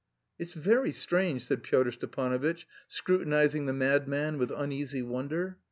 "It's very strange," said Pyotr Stepanovitch, scrutinising the madman with uneasy wonder.